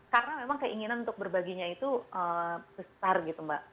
karena memang keinginan untuk berbaginya itu besar gitu mbak